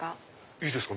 いいですか？